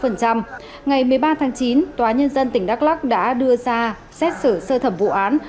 ngày một mươi ba tháng chín tòa nhân dân tỉnh đắk lắc đã đưa ra xét xử sơ thẩm vụ án